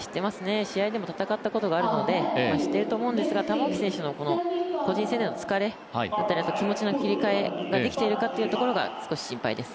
試合でも戦ったことがあるので知っているとは思いますが玉置選手の個人戦での疲れだったり、気持ちの切り替えができているかっていうところが少し心配です。